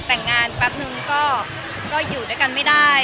แต่งงานแป๊บนึงก็อยู่ด้วยกันไม่ได้